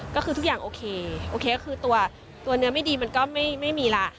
ก็คือทุกอย่างโอเคโอเคก็คือตัวเนื้อไม่ดีมันก็ไม่มีล่ะ